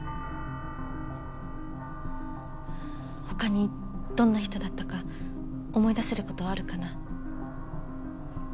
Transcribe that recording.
他にどんな人だったか思い出せる事はあるかな？